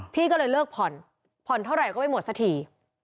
พี่ก็เลยเลิกผ่อนผ่อนเท่าไหร่ก็ไม่หมดสักที